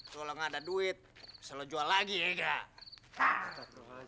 kalau gak ada duit bisa lo jual lagi ya gak